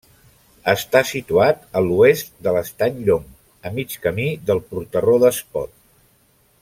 Està situat a l'oest de l'Estany Llong, a mig camí del Portarró d'Espot.